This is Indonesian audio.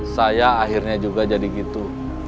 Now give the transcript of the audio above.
saya akhirnya juga jadi gitu